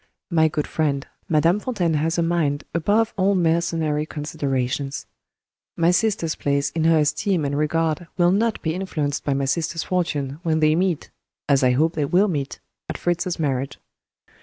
"My good friend, Madame Fontaine has a mind above all mercenary considerations. My sister's place in her esteem and regard will not be influenced by my sister's fortune, when they meet (as I hope they will meet) at Fritz's marriage."